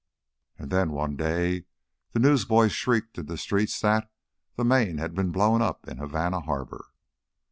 And then one day the newsboys shrieked in the streets that the Maine had been blown up in Havana Harbor.